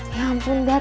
ya ampun dat